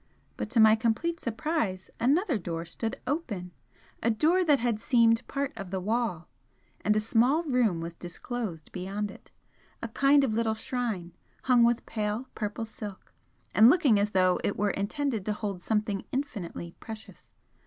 But, to my complete surprise, another door stood open, a door that had seemed part of the wall and a small room was disclosed beyond it, a kind of little shrine, hung with pale purple silk, and looking as though it were intended to hold something infinitely precious.